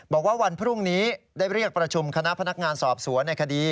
บอกว่าวันพรุ่งนี้ได้เรียกประชุมคณะพนักงานสอบสวนในคดี